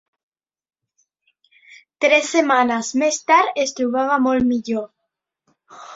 Tres setmanes més tard es trobava molt millor.